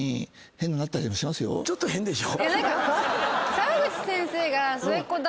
ちょっと変でしょ？